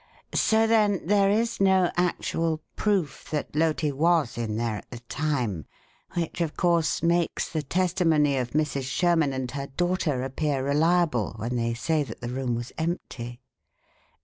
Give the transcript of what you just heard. So, then, there is no actual proof that Loti was in there at the time, which, of course, makes the testimony of Mrs. Sherman and her daughter appear reliable when they say that the room was empty."